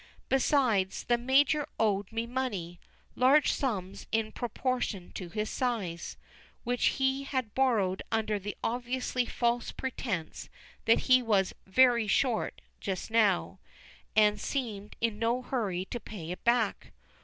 Besides, the Major owed me money large sums in proportion to his size, which he had borrowed under the obviously false pretence that he was "very short just now;" and he seemed in no hurry to pay it back.